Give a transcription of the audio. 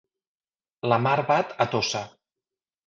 La mar bat a Tossa.